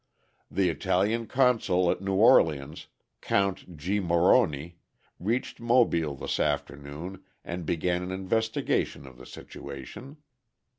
The Italian Consul at New Orleans, Count G. Morroni, reached Mobile this afternoon and began an investigation of the situation.